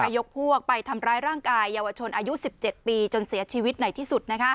ยกพวกไปทำร้ายร่างกายเยาวชนอายุ๑๗ปีจนเสียชีวิตไหนที่สุด